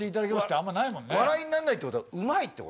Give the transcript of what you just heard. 笑いになんないってことはうまいってことか。